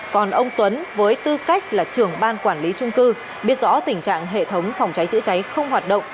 còn ông tuấn với tư cách là trưởng ban quản lý trung cư biết rõ tình trạng hệ thống phòng cháy chữa cháy không hoạt động